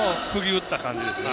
打った感じですね。